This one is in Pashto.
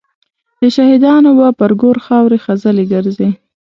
د شهیدانو به پر ګور خاوري خزلي ګرځي